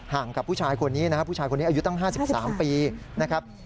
กับผู้ชายคนนี้นะครับผู้ชายคนนี้อายุตั้ง๕๓ปีนะครับ